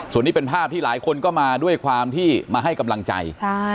ส่วนนี้เป็นภาพที่หลายคนก็มาด้วยความที่มาให้กำลังใจ